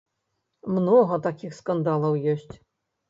Многа такіх скандалаў ёсць.